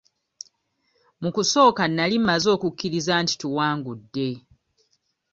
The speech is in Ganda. Mu kusooka nali mmaze okukkiriza nti tuwangudde.